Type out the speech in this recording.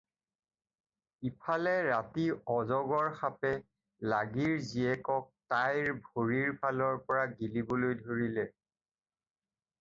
ইফালে ৰাতি অজগৰ সাপে লাগীৰ জীয়েকক তাইৰ ভৰিৰ ফালৰ পৰা গিলিবলৈ ধৰিলে।